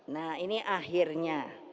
nah ini akhirnya